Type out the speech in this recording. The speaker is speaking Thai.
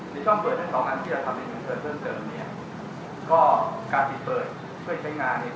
ที่ช่องเปิดในตอนนั้นที่เราทำผิดคอนเสิร์ตเพิ่มเติมเนี่ยก็การปิดเปิดเพื่อใช้งานเนี่ย